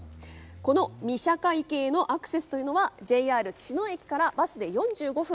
この御射鹿池へのアクセスはＪＲ茅野駅からバスで４５分。